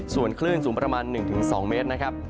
ส่วนคลื่นสูงประมาณ๑๒เมตร